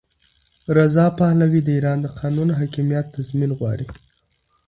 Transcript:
رضا پهلوي د ایران د قانون حاکمیت تضمین غواړي.